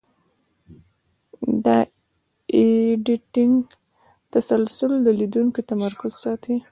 د ایډیټینګ تسلسل د لیدونکي تمرکز ساتي.